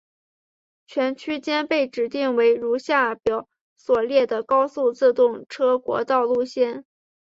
全区间被指定为如下表所列的高速自动车国道路线。